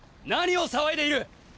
何を騒いでいる？